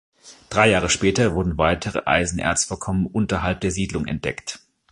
Drei Jahre später wurden weitere Eisenerzvorkommen unterhalb der Siedlung entdeckt.